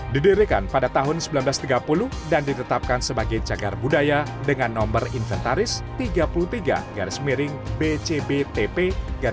didirikan pada tahun seribu sembilan ratus tiga puluh dan ditetapkan sebagai cagar budaya dengan nomor inventaris tiga puluh tiga bcbtp a satu dua ribu tujuh